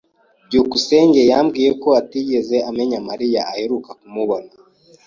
byukusenge yambwiye ko atigeze amenya Mariya aheruka kumubona.